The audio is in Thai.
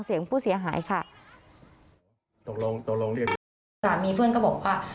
สามีเพื่อนก็บอกว่า